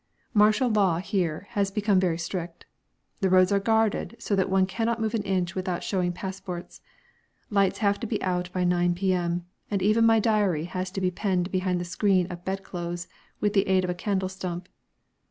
Martial law here has become very strict. The roads are guarded so that one cannot move an inch without showing passports. Lights have to be out by 9 P.M., and even my diary has to be penned behind a screen of bedclothes with the aid of a candle stump.